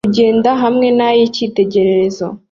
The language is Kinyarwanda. Kugenda hamwe na yicyitegererezo